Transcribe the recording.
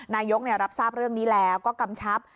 นายกรับทราบเรื่องนี้แล้วก็กำชับ